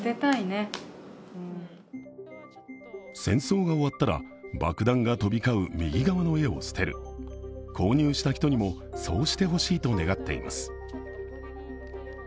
戦争が終わったら、爆弾が飛び交う右側の絵を捨てる、購入した人にも、そうしてほしいと願っています。